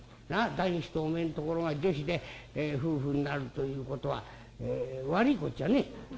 男子とおめえんところが女子で夫婦になるということは悪いことじゃねえ」。